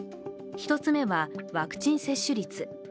１つ目は、ワクチン接種率。